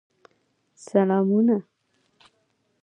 سلامونه !